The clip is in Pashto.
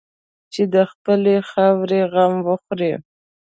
چې د خپلې خاورې غم وخوري.